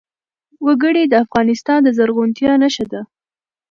وګړي د افغانستان د زرغونتیا نښه ده.